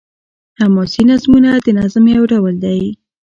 حماسي نظمونه د نظم يو ډول دﺉ.